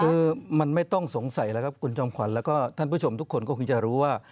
คือมันไม่ต้องสงสัยแล้วครับคุณจอมขวัญแล้วก็ท่านผู้ชมทุกคนก็คงจะรู้ว่า